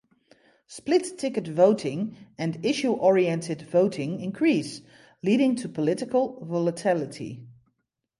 Split-ticket voting and issue-oriented voting increase, leading to political volatility.